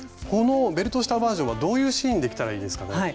このベルトしたバージョンはどういうシーンで着たらいいですかね？